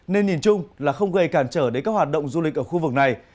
nên nhìn chung là không gây cản trở đến các hoạt động du lịch ở khu vực này